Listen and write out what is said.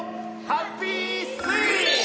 ハッピースイム！